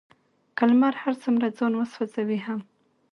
که لمر هر څومره ځان وسوزوي هم،